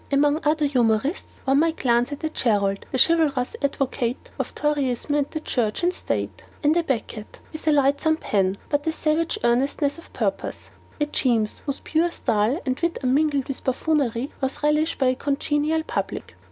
Among other humourists, one might glance at a Jerrold, the chivalrous advocate of Toryism and Church and State; an a Beckett, with a lightsome pen, but a savage earnestness of purpose; a Jeames, whose pure style, and wit unmingled with buffoonery, was relished by a congenial public.